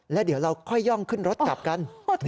แล้วเดี๋ยวเราค่อยย่องขึ้นรถกลับกัน